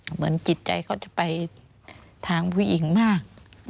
เหมือนจิตใจเขาจะไปทางผู้หญิงมาก